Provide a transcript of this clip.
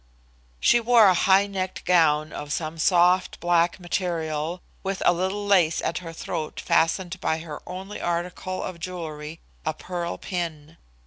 She wore a high necked gown of some soft, black material, with a little lace at her throat fastened by her only article of jewellery, a pearl pin.